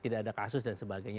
tidak ada kasus dan sebagainya